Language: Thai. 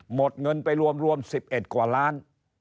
หมดเงินไปรวม๑๑กว่าล้าน